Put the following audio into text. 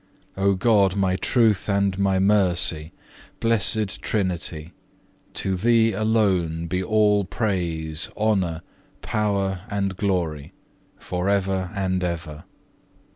O God my Truth and my Mercy, Blessed Trinity, to Thee alone be all praise, honour, power, and glory for ever and for ever.